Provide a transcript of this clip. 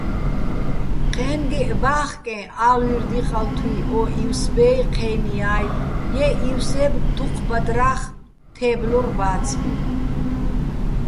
ჴე́ჼგეჸ ბა́ხკეჼ ა́ლვი́რდ-იყალთუი̆ ო ივსბე́ჲ, ჴე́ნიაჲ, ჲე́ ი́ვსებ დუჴ ბადრა́ხ თე́ბლორ ბა́ცბივ.